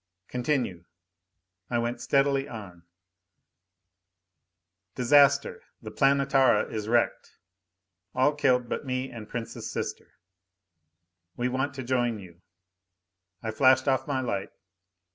Continue. I went steadily on: Disaster the Planetara is wrecked. All killed but me and Prince's sister. We want to join you. I flashed off my light.